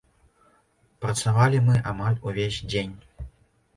Працавалі мы амаль увесь дзень.